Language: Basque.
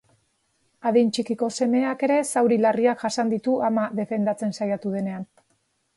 Adin txikiko semeak ere zauri larriak jasan ditu ama defendatzen saiatu denean.